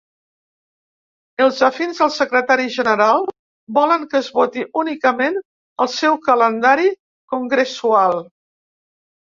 Els afins al secretari general volen que es voti únicament el seu calendari congressual.